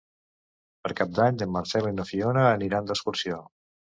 Per Cap d'Any en Marcel i na Fiona aniran d'excursió.